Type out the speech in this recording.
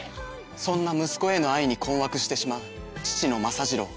そんな息子への愛に困惑してしまう父の政次郎。